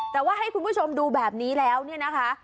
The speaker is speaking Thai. แต่ว่าให้คุณผู้ชมดูแบบนี้แล้วเนี่ยนะคะ